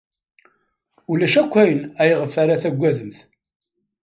Ulac akk ayen ayɣef ara taggademt.